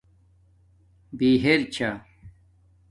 بہرک چھݳ